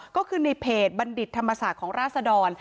ก็คือในเพจบัณฑิตธรรมศาสตร์ของราศดร